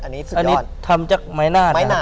อันนี้ทำจากไม้หน้า